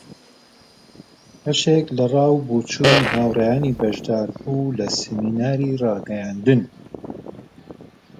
ئەویش درا بە کەمال کە لێی بنوێ و پارەی ئوتێل نەدەین